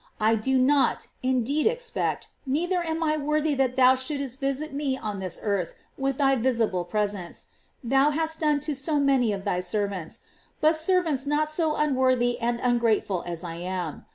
I do not, indeed expect, neither am I worthy that thou shouldst visit me on this earth with thy visible presence, as thou hast done to so many of thy servants, but servants not so unworthy and ungrateful as I am.